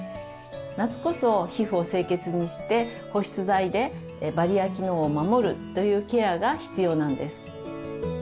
夏こそ皮膚を清潔にして保湿剤でバリア機能を守るというケアが必要なんです。